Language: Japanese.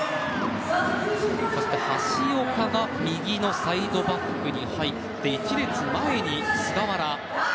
そして橋岡が右のサイドバックに入って１列前に菅原。